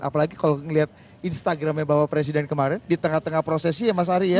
apalagi kalau melihat instagramnya bapak presiden kemarin di tengah tengah prosesi ya mas ari ya